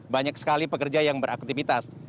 banyak sekali pekerja yang beraktivitas